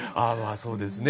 そうですね。